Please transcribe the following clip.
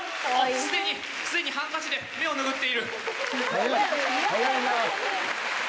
すでにすでにハンカチで目を拭っている。